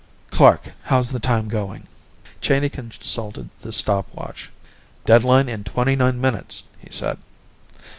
"Clark, how's the time going?" Cheyney consulted the stopwatch. "Deadline in twenty nine minutes," he said.